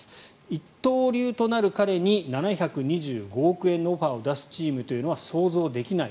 一刀流となる彼に７２５億円のオファーを出すチームというのは想像できない。